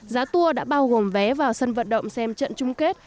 giá tour đã bao gồm vé vào sân vận động xem trận chung kết